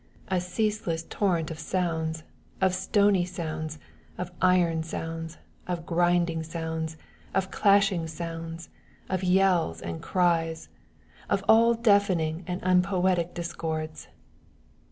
a ceaseless torrent of sounds, of stony sounds, of iron sounds, of grinding sounds, of clashing sounds, of yells and cries of all deafening and unpoetic discords!